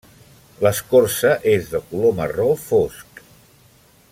L'escorça és de color marró fosc.